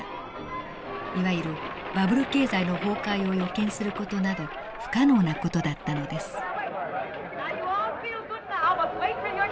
いわゆるバブル経済の崩壊を予見する事など不可能な事だったのです。